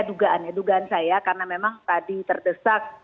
karena memang tadi terdesak karena mau menjelang tahun politik ya